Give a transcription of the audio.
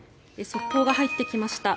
速報が入ってきました。